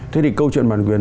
thế thì câu chuyện bản quyền